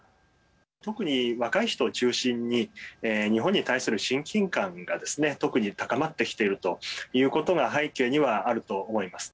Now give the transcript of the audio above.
特に若い人を中心に日本に対する親近感がですね特に高まってきているということが背景にはあると思います。